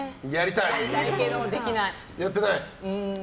やりたいけど、できない。